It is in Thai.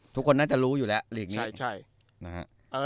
ทุกคนน่าจะรู้อยู่แล้วลีกนี้